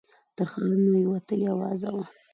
تر ښارونو یې وتلې آوازه وه